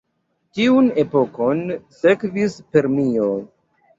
Tiun epokon sekvis Permio.